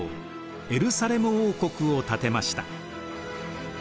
エルサレム王国を建てました。